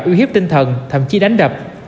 ưu hiếp tinh thần thậm chí đánh đập